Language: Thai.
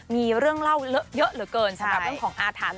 มีเรื่องเล่าเลอะเยอะเหลือเกินสำหรับเรื่องของอาถรรพ์